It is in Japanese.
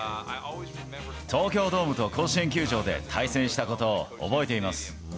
東京ドームと甲子園球場で対戦したことを覚えています。